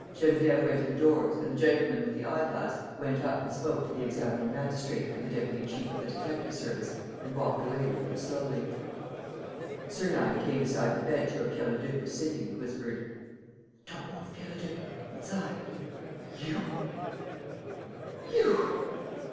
Geneviève went indoors and the gentleman with the eye glass went up and spoke to the examining magistrate and the deputy chief of the detective service and walked away with them slowly. Sernine came beside the bench where Pierre Leduc was sitting and whispered: "Don't move, Pierre Leduc; it's I." "You! ... you!